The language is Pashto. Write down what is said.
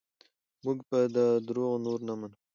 موږ به دا دروغ نور نه منو.